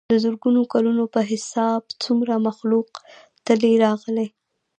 دَ زرګونو کلونو پۀ حساب څومره مخلوق تلي راغلي